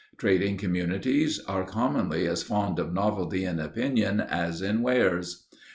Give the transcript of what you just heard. Trading communities are commonly as fond of novelty in opinion as in wares.